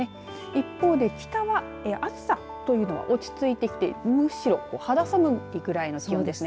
一方、北は暑さというのは落ち着いてきてむしろ肌寒いくらいの気温です。